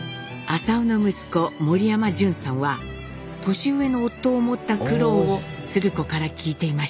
朝雄の息子森山淳さんは年上の夫を持った苦労を鶴子から聞いていました。